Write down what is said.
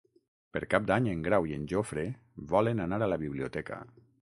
Per Cap d'Any en Grau i en Jofre volen anar a la biblioteca.